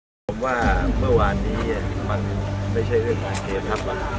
คำถามว่าเมื่อวานนี่ไม่ใช่เรื่องการเกย์ทัพหรอก